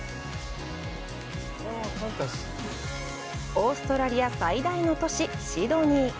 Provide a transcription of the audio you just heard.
オーストラリア最大の都市、シドニー。